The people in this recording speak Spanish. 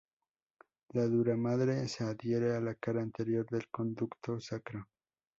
La duramadre se adhiere a la cara anterior del conducto sacro.